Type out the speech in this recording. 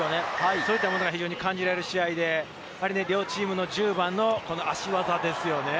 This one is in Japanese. そういったものが非常に感じられる試合で、両チームの１０番の足技ですよね。